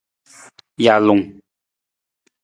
Jalung.